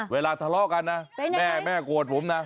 เวลาทะเลาะกันนะแม่แม่โกรธผมนะ